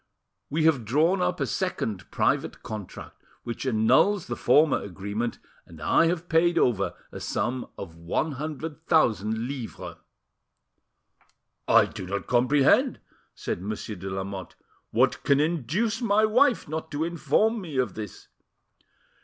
We have drawn up a second private contract, which annuls the former agreement, and I have paid over a sum of one hundred thousand livres." "I do not comprehend," said Monsieur de Lamotte. "What can induce my wife not to inform me of this?"